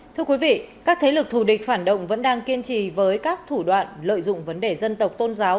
thưa quý vị các thế lực thù địch phản động vẫn đang kiên trì với các thủ đoạn lợi dụng vấn đề dân tộc tôn giáo